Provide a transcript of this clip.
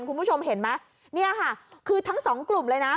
คุณผู้ชมเห็นไหมเนี่ยค่ะคือทั้งสองกลุ่มเลยนะ